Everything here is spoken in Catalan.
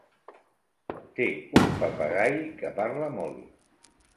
Té un papagai que parla molt.